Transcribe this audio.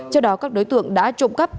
trước đó các đối tượng đã trộm cắp